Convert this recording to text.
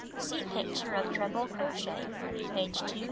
(See picture of treble crochet, page 228.)